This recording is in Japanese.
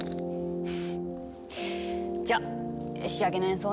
じゃ仕上げの演奏ね！